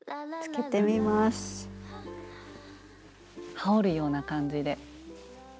羽織るような感じで。